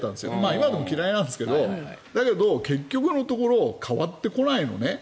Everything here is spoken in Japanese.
今でも嫌いなんですけど結局のところ変わってこないのね。